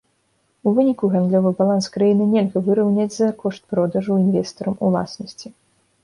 У выніку гандлёвы баланс краіны нельга выраўняць за кошт продажу інвестарам уласнасці.